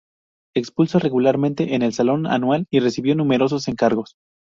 Expuso regularmente en el Salón anual y recibió numerosos encargos.